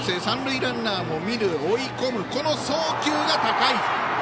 三塁ランナーを見る、追い込むこの送球が高い！